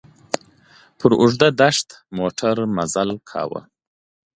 پر اوږده دښته موټر مزل کاوه.